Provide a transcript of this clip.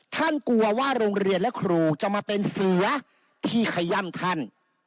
กลัวว่าโรงเรียนและครูจะมาเป็นเสือที่ขย่ำท่าน